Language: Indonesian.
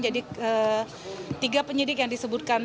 jadi tiga penyidik yang disebutkan